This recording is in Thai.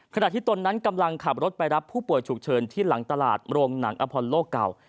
ขณะที่ตนนั้นกำลังขับรถไปรับผู้ป่วยฉุกเฉินที่หลังตลาดโรงหนังอพรโลกเก่า